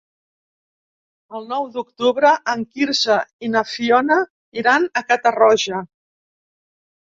El nou d'octubre en Quirze i na Fiona iran a Catarroja.